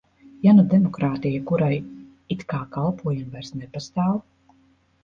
Ja nu demokrātija, kurai it kā kalpojam, vairs nepastāv?